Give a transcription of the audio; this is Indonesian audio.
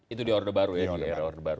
itu di order baru ya